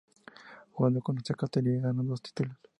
Jugando en esta categoría ganó dos títulos.